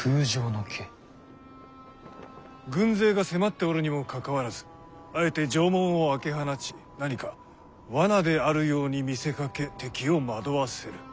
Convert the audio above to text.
軍勢が迫っておるにもかかわらずあえて城門を開け放ち何か罠であるように見せかけ敵を惑わせる。